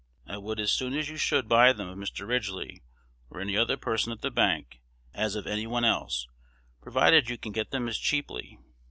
I would as soon you should buy them of Mr. Ridgely, or any other person at the bank, as of any one else, provided you can get them as cheaply.